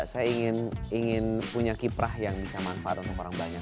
saya ingin punya kiprah yang bisa manfaat untuk orang banyak